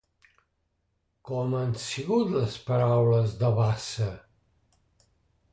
Com han sigut les paraules de Bassa?